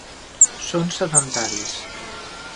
Són sedentaris.